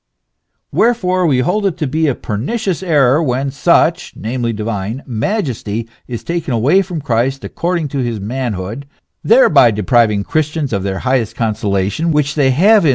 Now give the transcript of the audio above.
" Wherefore we hold it to be a pernicious error when such (namely, divine) majesty is taken away from Christ according to his manhood, thereby depriving Christians of their highest consolation, which they have in